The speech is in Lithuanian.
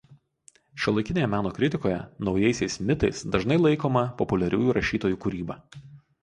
Šiuolaikinėje meno kritikoje naujaisiais mitais dažnai laikoma populiariųjų rašytojų kūryba.